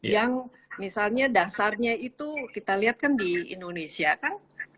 yang misalnya dasarnya itu kita lihat kan di indonesia kan